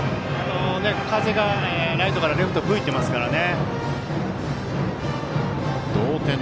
風がライトからレフト吹いていますからね。